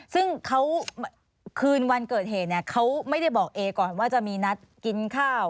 ซึ่งเขาคืนวันเกิดเหตุเนี่ยเขาไม่ได้บอกเอก่อนว่าจะมีนัดกินข้าว